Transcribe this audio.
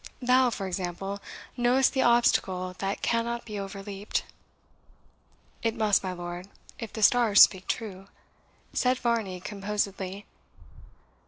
Thou, for example, knowest the obstacle that cannot be overleaped." "It must, my lord, if the stars speak true," said Varney composedly.